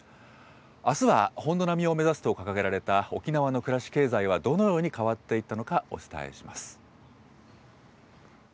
あすは本土並みを目指すと掲げられた沖縄の暮らし、経済はどのように変わっていったのか、お伝えします。